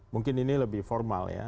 mungkin ini lebih formal ya